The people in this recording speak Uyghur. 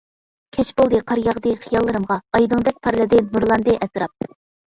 كەچ بولدى قار ياغدى خىياللىرىمغا، ئايدىڭدەك پارلىدى نۇرلاندى ئەتراپ.